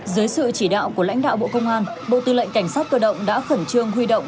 dưới sự chỉ đạo của lãnh đạo bộ công an bộ tư lệnh cảnh sát cơ động đã khẩn trương huy động